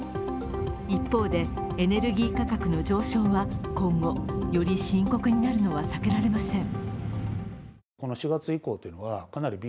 一方でエネルギー価格の上昇は今後、より深刻になるのは避けられません。